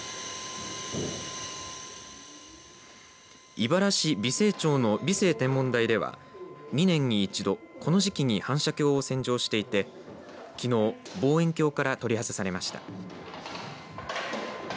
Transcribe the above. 井原市美星町の美星天文台では２年に１度、この時期に反射鏡を洗浄していてきのう望遠鏡から取り外されました。